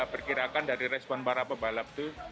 perkirakan dari respon para pebalap itu